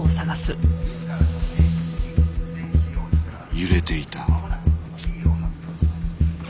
揺れていた